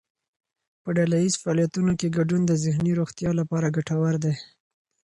په ډلهییز فعالیتونو کې ګډون د ذهني روغتیا لپاره ګټور دی.